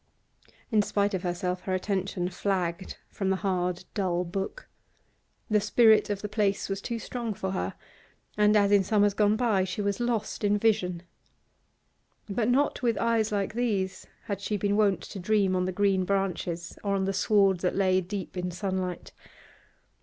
In spite of herself her attention flagged from the hard, dull book; the spirit of the place was too strong for her, and, as in summers gone by, she was lost in vision. But not with eyes like these had she been wont to dream on the green branches or on the sward that lay deep in sunlight.